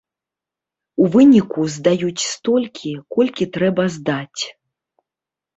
У выніку здаюць столькі, колькі трэба здаць.